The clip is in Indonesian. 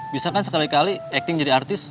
bisa kan sekali kali acting jadi artis